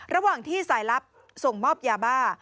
ระหว่างที่สายลับส่งมอบยาบ้า